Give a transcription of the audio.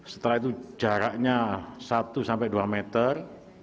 setelah itu jaraknya satu sampai dua meter